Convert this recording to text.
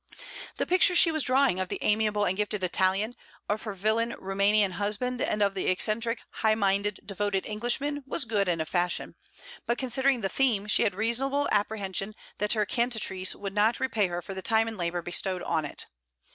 The picture she was drawing of the amiable and gifted Italian, of her villain Roumanian husband, and of the eccentric, high minded, devoted Englishman, was good in a fashion; but considering the theme, she had reasonable apprehension that her CANTATRICE would not repay her for the time and labour bestowed on it.